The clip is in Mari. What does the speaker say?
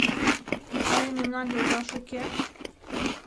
Але мемнан йолташ уке?